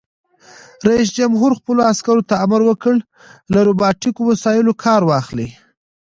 رئیس جمهور خپلو عسکرو ته امر وکړ؛ له روباټیکو وسایلو کار واخلئ!